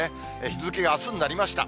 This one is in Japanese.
日付があすになりました。